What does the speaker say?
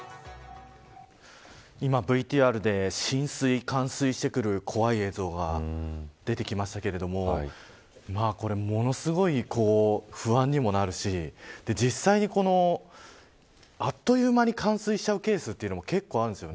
今、ＶＴＲで浸水、冠水してくる怖い映像が出てきましたがものすごい不安にもなるし実際にあっという間に冠水してしまうケースもあるんです。